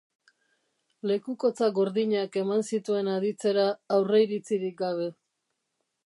Lekukotza gordinak eman zituen aditzera, aurreiritzirik gabe.